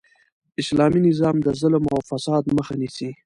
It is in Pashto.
اسلامي نظام د ظلم او فساد مخ نیسي.